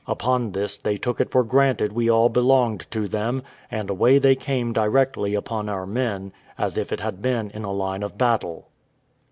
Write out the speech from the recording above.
Upon this, they took it for granted we all belonged to them, and away they came directly upon our men, as if it had been in a line of battle.